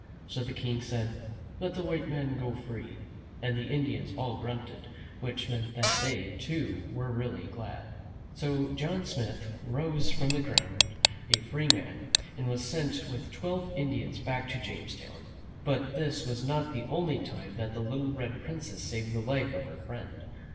So the King said, " Let the white man go free." And the Indians all grunted, which meant that they, too, were really glad. So John Smith rose from the ground a free man, and was sent with twelve Indians back to Jamestown. But this was not the only time that the little Red Princess saved the life of her friend.